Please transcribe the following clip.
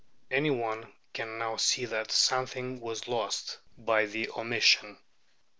Any one can now see that something was lost by the omission.